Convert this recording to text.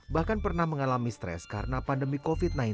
bahkan pernah mengalami stres karena pandemi covid sembilan belas